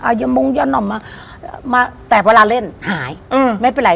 เอายามงยาหน่อมมามาแต่เวลาเล่นหายอืมไม่เป็นไร